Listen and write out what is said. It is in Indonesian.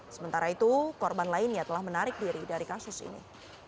sementara itu korban lainnya telah menarik diri dari kasus ini